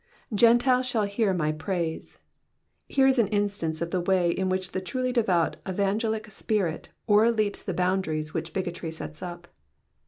'''' Gentiles shall hear my praise. Here is an instance of the way in which the truly devout evangelic spirit o'erleaps the boundaries which bigotry sets up.